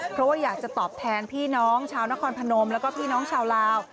เพราะว่าอยากจะตอบแทนพี่น้องชาวนครพนมแล้วก็พี่น้องชาวลาว